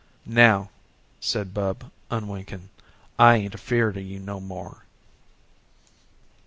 "Now," said Bub, unwinking, "I ain't afeard o' you no more."